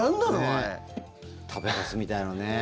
食べかすみたいなのね。